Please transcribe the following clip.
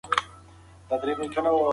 شاید زه د چا له خوا د ژغورلو مستحق نه یم.